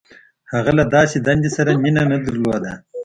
• هغه له داسې دندې سره مینه نهدرلوده.